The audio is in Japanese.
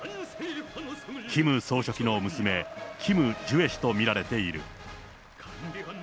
キム総書記の娘、キム・ジュエ氏と見られている。